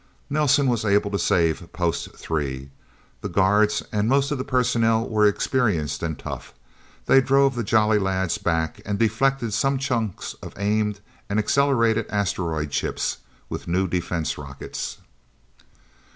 Nelsen was able to save Post Three. The guards and most of the personnel were experienced and tough. They drove the Jolly Lads back and deflected some chunks of aimed and accelerated asteroid chips, with new defense rockets.